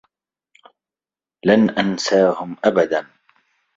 لن أنساهم أبدا.